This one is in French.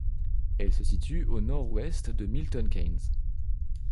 Elle se situe au nord-ouest de Milton Keynes.